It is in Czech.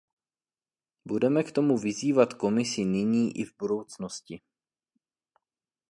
Budeme k tomu vyzývat Komisi nyní i v budoucnosti.